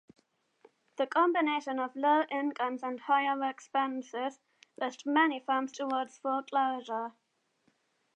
The combination of low incomes and higher expenses pushed many farms toward foreclosure.